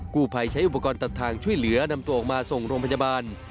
กู้ภัยใช้อุปกรณ์ตัดทางช่วยเหลือนำตัวออกมาส่งโรงพยาบาล